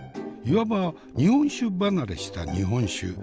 いわば日本酒離れした日本酒。